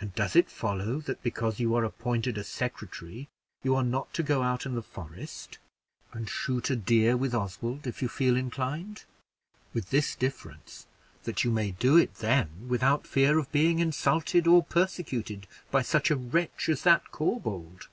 And does it follow, that because you are appointed a secretary, you are not to go out in the forest and shoot a deer with Oswald, if you feel inclined with this difference, that you may do it then without fear of being insulted or persecuted by such a wretch as that Corbould?